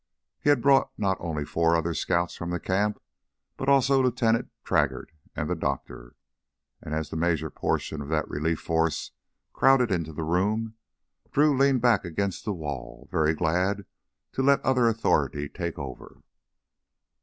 He had brought not only four other scouts from the camp, but also Lieutenant Traggart and the doctor. And as the major portion of that relief force crowded into the room Drew leaned back against the wall, very glad to let other authority take over.